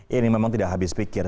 ini memang tidak habis pikir